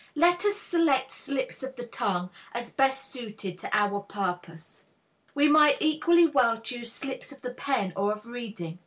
Let us select slips of the tongue, as best suited to our purposes. We might equally well choose slips of the pen or of reading.